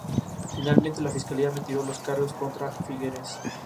En el Palacio de San Nicolás, Briones.